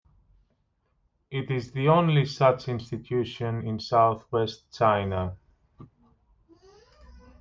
It is the only such institution in southwest China.